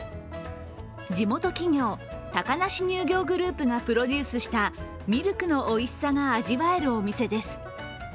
地元企業タカナシ乳業グループがプロデュースしたミルクのおいしさが味わえるお店です。